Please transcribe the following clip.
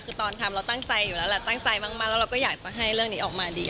คือตอนทำเราตั้งใจอยู่แล้วแหละตั้งใจมากแล้วเราก็อยากจะให้เรื่องนี้ออกมาดี